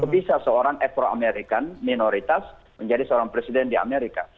bisa seorang effroa american minoritas menjadi seorang presiden di amerika